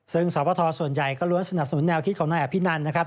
ซึ่งสวทส่วนใหญ่ก็ล้วนสนับสนุนแนวคิดของนายอภินันนะครับ